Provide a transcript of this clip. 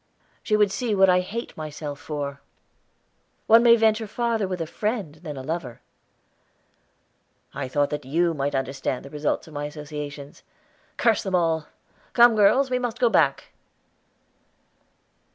"She would see what I hate myself for." "One may venture farther with a friend than a lover." "I thought that you might understand the results of my associations. Curse them all! Come, girls, we must go back."